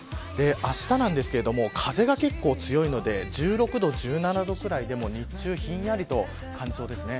あしたは風が結構強いので１６度、１７度ぐらいでも日中ひやりと感じそうです。